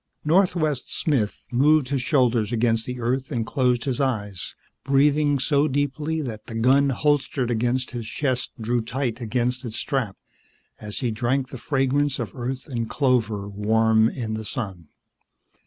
Northwest Smith moved his shoulders against the earth and closed his eyes, breathing so deeply that the gun holstered upon his chest drew tight against its strap as he drank the fragrance of Earth and clover warm in the sun.